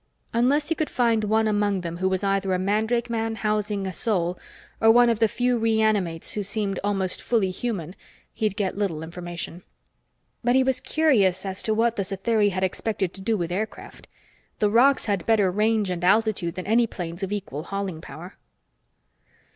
Unless he could find one among them who was either a mandrake man housing a soul or one of the few reanimates who seemed almost fully human, he'd get little information. But he was curious as to what the Satheri had expected to do with aircraft. The rocs had better range and altitude than any planes of equal hauling power.